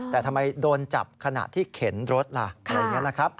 แต่ทำไมโดนจับขณะที่เข็นรถล่ะอะไรอย่างนี้นะครับ